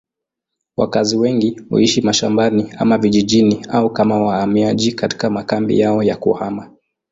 Wakazi wengi huishi mashambani ama vijijini au kama wahamiaji katika makambi yao ya kuhama.